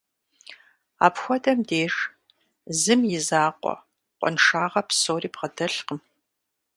Апхуэдэм деж зым и закъуэ къуаншагъэ псори бгъэдэлъкъым.